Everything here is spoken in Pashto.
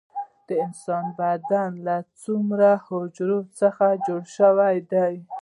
د انسان بدن له څومره حجرو څخه جوړ شوی دی